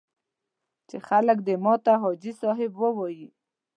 چې خلک دې ماته حاجي صاحب ووایي.